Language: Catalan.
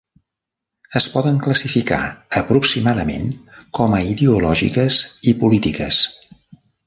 Es poden classificar aproximadament com a ideològiques i polítiques.